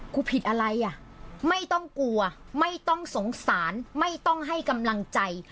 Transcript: ผิดอะไรอ่ะไม่ต้องกลัวไม่ต้องสงสารไม่ต้องให้กำลังใจ